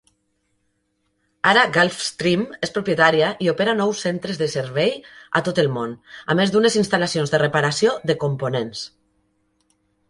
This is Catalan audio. Ara Gulfstream és propietària i opera nou centres de servei a tot el món, a més d'unes instal·lacions de reparació de components.